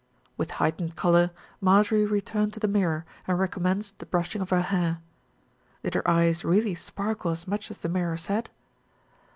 With heightened colour, Marjorie returned to the mirror and recommenced the brushing of her hair. Did her eyes really sparkle as much as the mirror said?